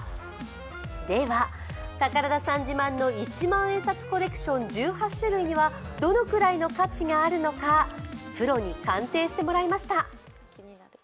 では宝田さん自慢の一万円札コレクション１８種類にはどのくらいの価値があるのかプロに鑑定してもらいました。